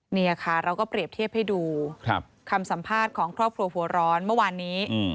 นี่ค่ะเราก็เปรียบเทียบให้ดูคำสัมภาษณ์ของครอบครัวหัวร้อนเมื่อวานนี้